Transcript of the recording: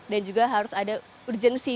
dan juga harus ada urgensi